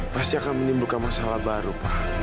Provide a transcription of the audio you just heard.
pasti akan menimbulkan masalah baru pak